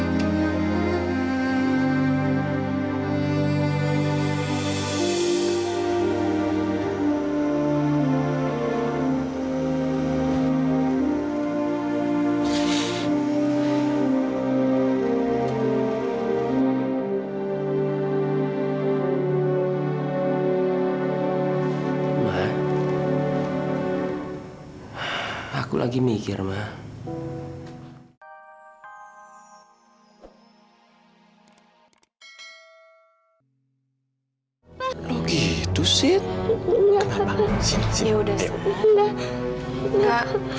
sampai jumpa di video selanjutnya